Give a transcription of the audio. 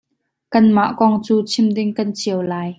Kan mah kong cu chim ding kan cio lai.